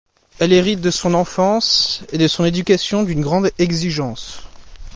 Elle hérite de son enfance et de son éducation d'une grande exigence.